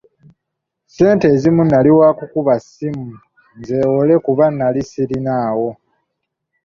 Ssente ezimu nali waakukuba ssimu nzeewole kubanga nnali sizirinaawo.